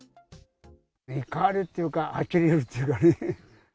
怒りっていうか、あきれるっていうかね。